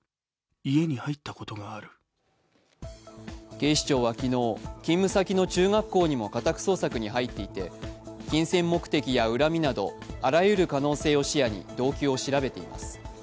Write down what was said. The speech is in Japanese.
警視庁は昨日勤務先の中学校にも家宅捜索に入っていて金銭目的や恨みなど、あらゆる可能性を視野に動機を調べています。